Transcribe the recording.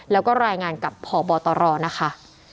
แล้วก็รายงานกับพบตรนะคะ